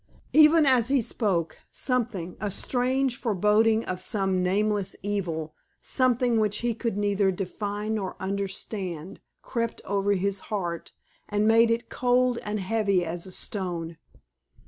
Even as he spoke, something a strange foreboding of some nameless evil something which he could neither define nor understand, crept over his heart and made it cold and heavy as a stone.